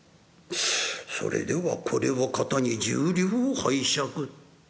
「それではこれをカタに１０両を拝借」。